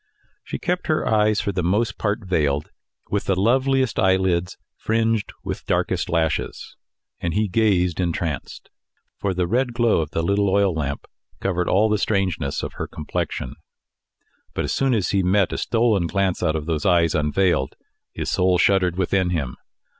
She kept her eyes for the most part veiled with the loveliest eyelids fringed with darkest lashes, and he gazed entranced; for the red glow of the little oil lamp covered all the strangeness of her complexion. But as soon as he met a stolen glance out of those eyes unveiled, his soul shuddered within him.